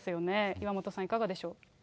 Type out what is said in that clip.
岩本さん、いかがでしょう。